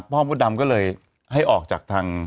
พ่อพระดำก็เลยให้ออกจากทาง